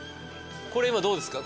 これ今どうですか？